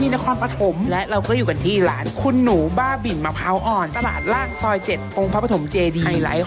ไหนจะน่ารักไหนจะคนมายิ้วอีก